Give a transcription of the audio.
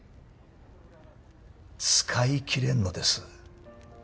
使い切れんのです。